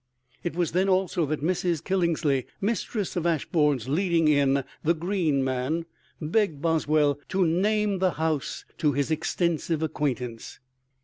It was then also that Mrs. Killingley, mistress of Ashbourne's leading inn, The Green Man, begged Boswell "to name the house to his extensive acquaintance."